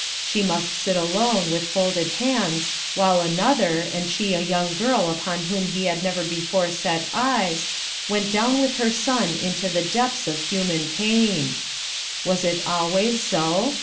She must sit atone with folded hands while another, and she a young girl upon whom hc had never before set eyes, went down with her son into the depths of human pain. "Was it always so?